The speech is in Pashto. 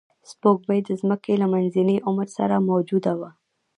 سپوږمۍ د ځمکې له منځني عمر سره موجوده وه